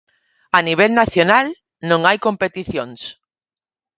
A nivel nacional non hai competicións.